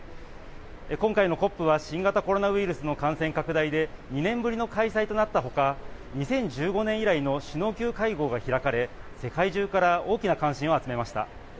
今回のＣＯＰは、新型コロナウイルスの感染拡大で、２年ぶりの開催となったほか、２０１５年以来の首脳級会合が開かれ、世界中から大きな関心を集めました。